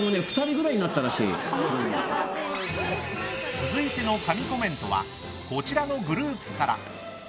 続いての神コメントはこちらのグループから。